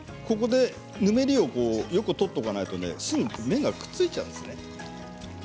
ぬめりをよく取っておかないとすぐに麺がくっついちゃうんです。